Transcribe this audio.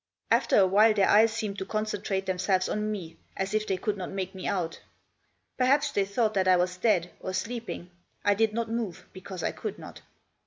After a while their eyes seemed to concentrate themselves on me, as if they could not make me out. Perhaps they thought that I was dead, or sleeping. I did not move, because I could not.